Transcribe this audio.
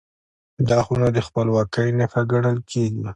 دا خونه د خپلواکۍ نښه ګڼل کېږي.